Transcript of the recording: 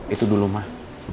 itu dulu mah